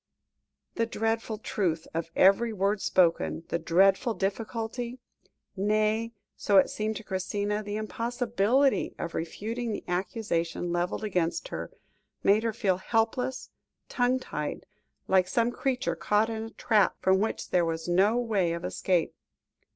The dreadful truth of every word spoken, the dreadful difficulty nay, so it seemed to Christina, the impossibility of refuting the accusation levelled against her, made her feel helpless, tongue tied, like some creature caught in a trap, from which there was no way of escape.